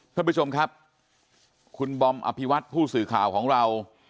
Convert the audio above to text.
ท่านผู้ชมครับคุณบอมอภิวัตผู้สื่อข่าวของเรา